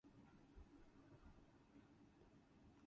It may or may not have an integrated graphics sub-system.